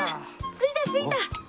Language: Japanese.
着いた着いた！